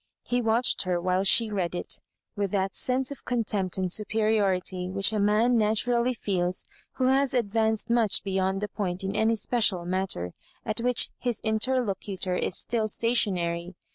He watched her, while she read it, with that sense of contempt and superiority which a man natu rally feels who has advanced much beyond the point in any special matter at which his interlo cutor is stiU stationary.